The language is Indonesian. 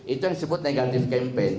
itu yang disebut negatif campaign